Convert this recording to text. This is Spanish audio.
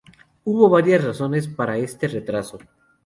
Hubo varias razones para este retraso.